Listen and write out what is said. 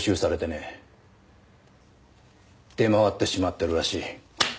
出回ってしまってるらしい。